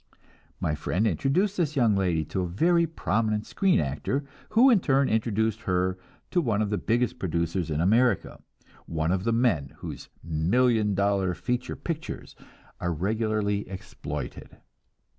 My friend introduced this young lady to a very prominent screen actor, who in turn introduced her to one of the biggest producers in America, one of the men whose "million dollar feature pictures" are regularly exploited.